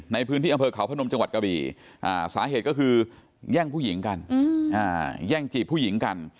ในพื้นที่อำเภอเขาพนมจังหวัดกะบี่สาเหตุก็คือแย่งผู้หญิงกันแย่งจีบผู้หญิงกัน